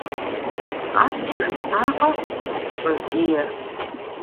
«Къащтэ жысӀакъэ!» - къысщӀокӀие.